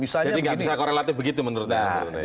jadi tidak bisa korelatif begitu menurut anda